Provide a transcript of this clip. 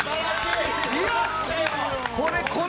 よし！